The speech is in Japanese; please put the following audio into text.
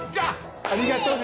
ありがとね！